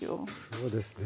そうですね。